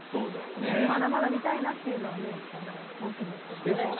まだまだ見たいなというのが本心ですけどね。